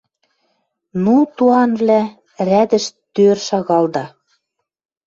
Ну, туанвлӓ! Рядӹш тӧр шагалда